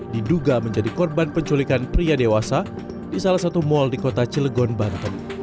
diduga menjadi korban penculikan pria dewasa di salah satu mal di kota cilegon banten